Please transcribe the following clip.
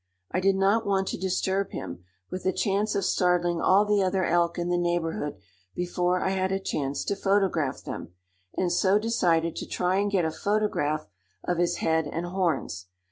I did not want to disturb him, with a chance of startling all the other elk in the neighborhood before I had a chance to photograph them, and so decided to try and get a photograph of his head and horns.